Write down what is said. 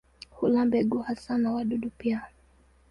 Hula mbegu hasa na wadudu pia.